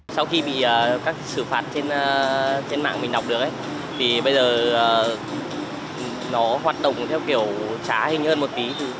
sau khi bị xử phạt trên mạng mình đọc được thì bây giờ nó hoạt động theo kiểu trá hình hơn một tí